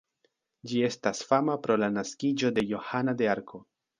Ĝi estas fama pro la naskiĝo de Johana de Arko.